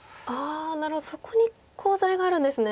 なるほどそこにコウ材があるんですね。